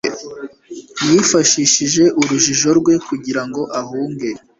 Yifashishije urujijo rwe kugira ngo ahunge.